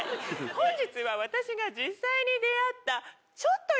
本日は私が実際に出会った。